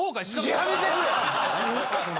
やめてくれ！